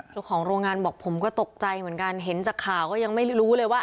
เจ้าของโรงงานบอกผมก็ตกใจเหมือนกันเห็นจากข่าวก็ยังไม่รู้เลยว่า